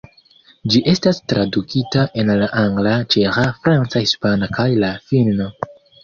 Ĝi estas tradukita en la angla, ĉeĥa, franca, hispana, kaj la finna.